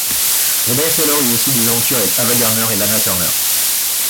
Robert Taylor eut aussi des aventures avec Ava Gardner et Lana Turner.